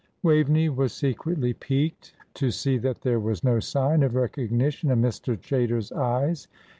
Waveney was secretly piqued to see that there was no sign of recognition in Mr. Chaytor's eyes.